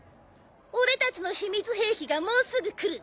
オレたちの秘密兵器がもうすぐ来る。